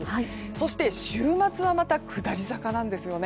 そして、週末はまた下り坂なんですよね。